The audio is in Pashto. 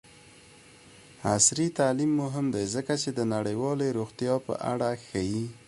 عصري تعلیم مهم دی ځکه چې د نړیوالې روغتیا په اړه ښيي.